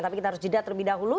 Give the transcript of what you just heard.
tapi kita harus jeda terlebih dahulu